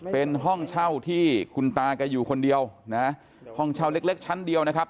เป็นห้องเช่าที่คุณตาแกอยู่คนเดียวนะฮะห้องเช่าเล็กชั้นเดียวนะครับ